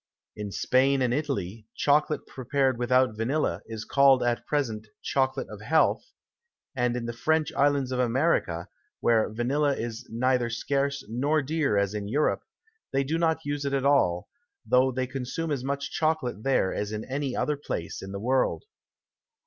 In Spain and Italy, Chocolate prepared without Vanilla, is called at present Chocolate of Health; and in the French Islands of America, where Vanilla is neither scarce nor dear, as in Europe, they do not use it at all, though they consume as much Chocolate there as in any other Place in the World.